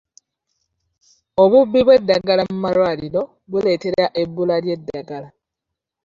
Obubbi bw'eddagala mu malwaliro buleetera ebbula ly'eddagala.